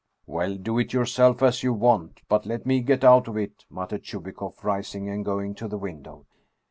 " Well, do it yourself as you want. But let me get out of it," muttered Chubikoff, rising and going to the window.